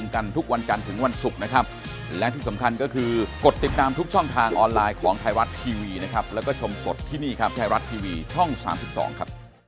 ก็ลวงโวทย์แค่นั้นเองประชาลิด้ายก็เดินหน้าได้